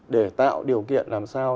để tạo điều kiện làm sao